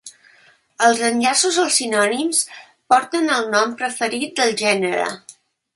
Els enllaços als sinònims porten al nom preferit del gènere.